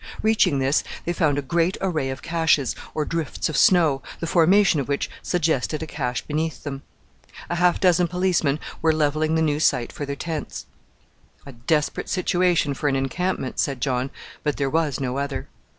Reaching this, they found a great array of caches, or drifts of snow, the formation of which suggested a cache beneath them. A half dozen policemen were levelling the new site for their tents. "A desperate situation for an encampment!" said John; but there was no other.